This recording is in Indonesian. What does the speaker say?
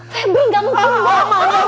febri gak mau